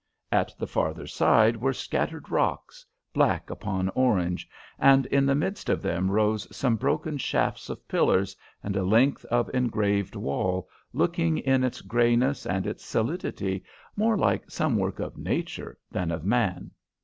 At the farther side were scattered rocks, black upon orange; and in the midst of them rose some broken shafts of pillars and a length of engraved wall, looking in its greyness and its solidity more like some work of Nature than of man.